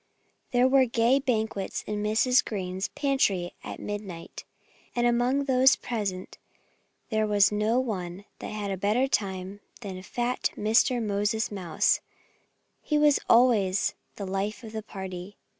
There were gay banquets in Mrs. Green's pantry at midnight. And among those present there was no one that had a better time than fat Mr. Moses Mouse. He was always the life of the party.